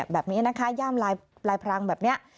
แบบนี้นะคะย่ามลายพรางแบบนี้